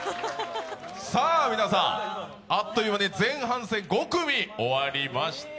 さあ皆さん、あっという間に前半戦５組、終わりました。